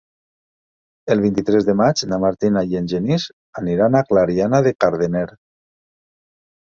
El vint-i-tres de maig na Martina i en Genís aniran a Clariana de Cardener.